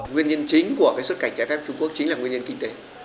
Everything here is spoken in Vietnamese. nguyên nhân chính của xuất cảnh trái phép trung quốc chính là nguyên nhân kinh tế